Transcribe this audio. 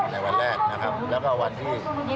ในวันแรกนะครับแล้วก็วันที่